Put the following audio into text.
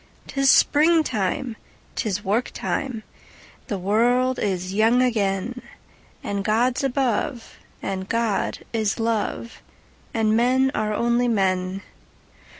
'Tis springtime! 'Tis work time! The world is young again! And God's above, and God is love, And men are only men.